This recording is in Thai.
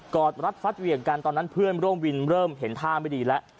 อดรัดฟัดเหวี่ยงกันตอนนั้นเพื่อนร่วมวินเริ่มเห็นท่าไม่ดีแล้ว